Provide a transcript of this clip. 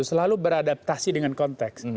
selalu beradaptasi dengan konteks